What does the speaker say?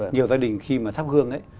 nhiều gia đình khi mà thắp hương ấy